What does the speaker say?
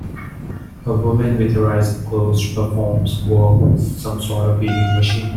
A woman with her eyes closed performs work some sort of weaving machine.